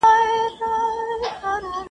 په سبب د لېونتوب دي پوه سوم یاره.